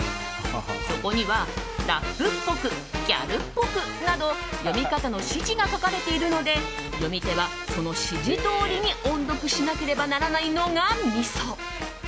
そこには、ラップっぽくギャルっぽくなど読み方の指示が書かれているので読み手はその指示どおりに音読しなければならないのがミソ。